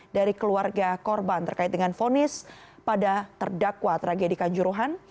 dari keluarga korban terkait dengan fonis pada terdakwa tragedi kanjuruhan